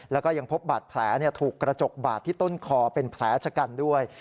แล้วก็ยังพบบาดแผลถูกกระจกบาดที่ต้นคอเป็นแผลชะกันด้วย